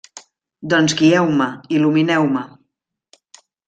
Doncs, guieu-me, il·lumineu-me!